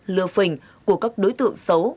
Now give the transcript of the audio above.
lừa phình của các đối tượng xấu